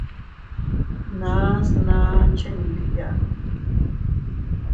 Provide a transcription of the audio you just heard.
Nas naa chindiya.